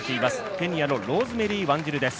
ケニアのローズメリー・ワンジルです。